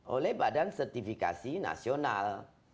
oleh badan sertifikasi nasional